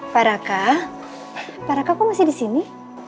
paraka paraka kok masih disini